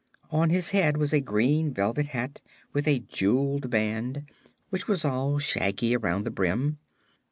On his head was a green velvet hat with a jeweled band, which was all shaggy around the brim.